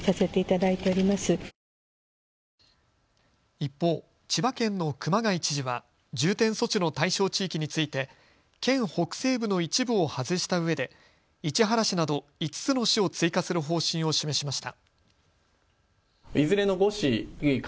一方、千葉県の熊谷知事は重点措置の対象地域について県北西部の一部を外したうえで市原市など５つの市を追加する方針を示しました。